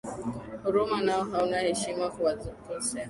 Huruma nao hauna, heshima kawakosea,